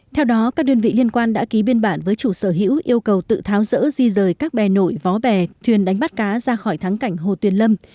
theo đó các đơn vị liên quan đã ký biên bản với chủ sở hữu yêu cầu tự tháo rỡ di rời các bè nổi vó bè thuyền đánh bắt cá ra khỏi thắng cảnh hồ tuyền lâm